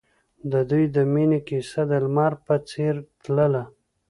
د دوی د مینې کیسه د لمر په څېر تلله.